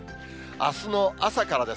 あすの朝からです。